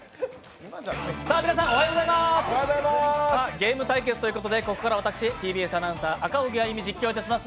ゲーム対決ということでここからは私、ＴＢＳアナウンサー、赤荻歩実況中継いたします。